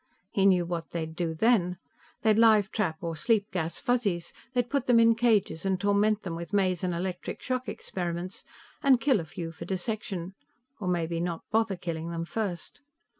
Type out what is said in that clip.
He knew what they'd do then. They'd live trap or sleep gas Fuzzies; they'd put them in cages, and torment them with maze and electric shock experiments, and kill a few for dissection, or maybe not bother killing them first.